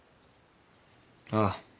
ああ。